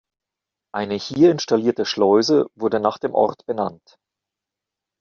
Eine hier installierte Schleuse wurde nach dem Ort benannt.